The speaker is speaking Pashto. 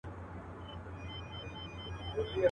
ستا د هستې شهباز به ونڅوم.